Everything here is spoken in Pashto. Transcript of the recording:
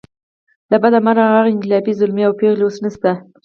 له بده مرغه هغه انقلابي زلمي او پېغلې اوس نشته.